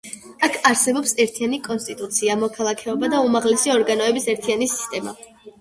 აქ არსებობს ერთიანი კონსტიტუცია, მოქალაქეობა და უმაღლესი ორგანოების ერთიანი სისტემა.